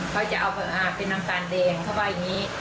เขาจะเอาเป็นน้ำตาลแดงเขาว่าอย่างนี้